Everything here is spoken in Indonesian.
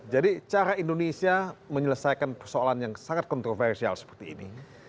cara indonesia menyelesaikan persoalan yang sangat kontroversial seperti ini